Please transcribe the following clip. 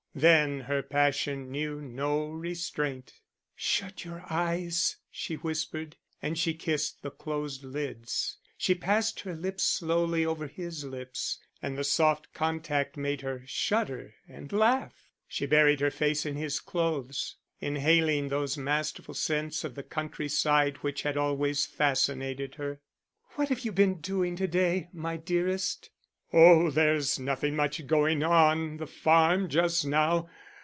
Then her passion knew no restraint. "Shut your eyes," she whispered, and she kissed the closed lids; she passed her lips slowly over his lips, and the soft contact made her shudder and laugh. She buried her face in his clothes, inhaling those masterful scents of the countryside which had always fascinated her. "What have you been doing to day, my dearest?" "Oh, there's nothing much going on the farm just now.